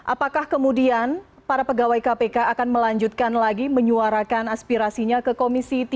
apakah kemudian para pegawai kpk akan melanjutkan lagi menyuarakan aspirasinya ke komisi tiga